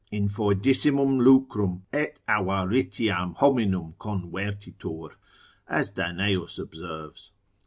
In foedissimum lucrum et avaritiam hominum convertitur, as Daneus observes.